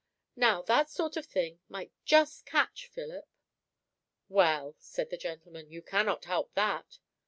Now that sort of thing might just catch Philip." "Well," said the gentleman, "you cannot help that."